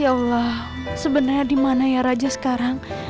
ya allah sebenernya dimana ya raja sekarang